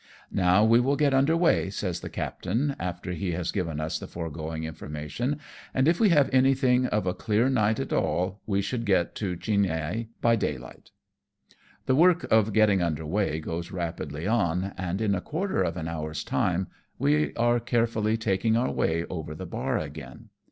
" Now we will get under weigh," says the captain, after he has given us the foregoing information, " and if we have anything of a clear night at all, we should get to Chinhae by daylight.^' The work of getting under weigh goes rapidly on, and in a quarter of an hour's time we are carefully taking our way over the bar again.